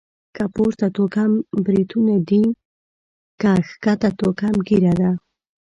که پورته توکم بريتونه دي.، که کښته توکم ږيره ده.